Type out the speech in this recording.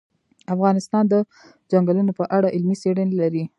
افغانستان د چنګلونه په اړه علمي څېړنې لري.